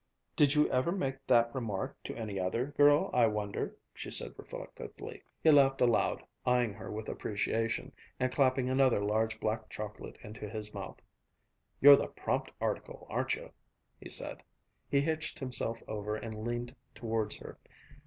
"Did you ever make that remark to any other girl, I wonder?" she said reflectively. He laughed aloud, eyeing her with appreciation, and clapping another large black chocolate into his mouth. "You're the prompt article, aren't you?" he said. He hitched himself over and leaned towards her.